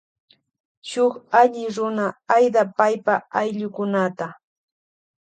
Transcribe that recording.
Shuk alli runa aida paipa ayllukunata.